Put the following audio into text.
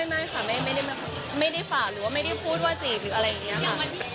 ไม่ค่ะไม่ได้ฝากหรือว่าไม่ได้พูดว่าจีบหรืออะไรอย่างนี้ค่ะ